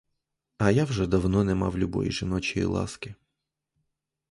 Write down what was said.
А я вже давно не мав любої жіночої ласки.